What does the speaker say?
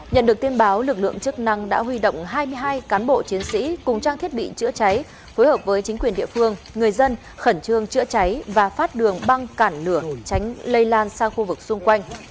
nhận được tin báo lực lượng chức năng đã huy động hai mươi hai cán bộ chiến sĩ cùng trang thiết bị chữa cháy phối hợp với chính quyền địa phương người dân khẩn trương chữa cháy và phát đường băng cản lửa tránh lây lan sang khu vực xung quanh